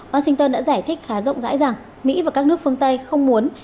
washington đã giải thích khá rộng rãi rằng mỹ và các nước phương tây không muốn